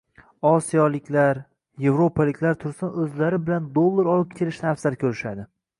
Osiyoliklar, yevropaliklar tursin, o'zlari bilan dollar olib kelishni afzal ko'rishadi